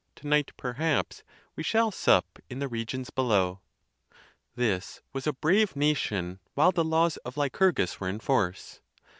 To night, perhaps, we shall sup in the regions below." This was a brave nation while the laws of Lycurgus were in force.